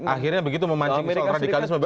akhirnya begitu memancing soal radikalisme